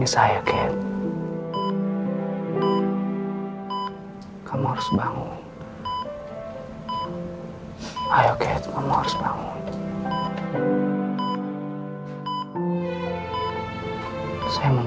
syuruh biarkan dia hidup